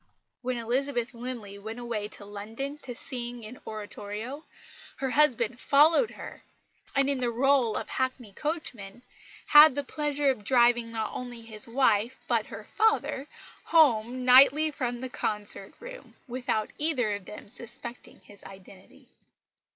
When Elizabeth Linley went away to London to sing in oratorio, her husband followed her; and, in the rôle of hackney coachman, had the pleasure of driving not only his wife but her father, home nightly from the concert room, without either of them suspecting his identity.